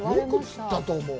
よく釣ったと思う。